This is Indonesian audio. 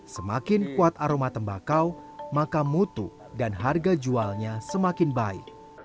semakin kuat aroma tembakau maka mutu dan harga jualnya semakin baik